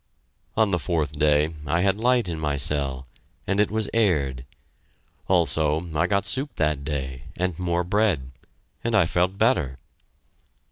On the fourth day I had light in my cell, and it was aired. Also, I got soup that day, and more bread, and I felt better.